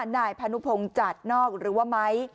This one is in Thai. นายพานุพงศ์จัดนอกหรือว่าไม้